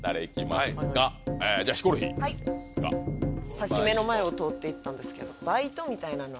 さっき目の前を通って行ったんですけどバイトみたいな。